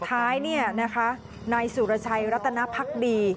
สุดท้ายนะคะนายสุรชัยรัตนภัคดี